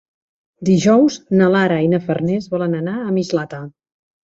Dijous na Lara i na Farners volen anar a Mislata.